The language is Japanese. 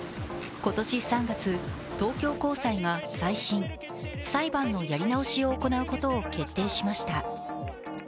今年３月、東京高裁が再審＝裁判のやり直しを行うことを決定しました。